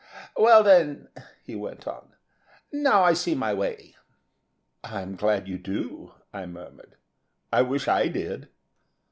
"Well then," he went on, "now I see my way." "I'm glad you do," I murmured. "I wish I did."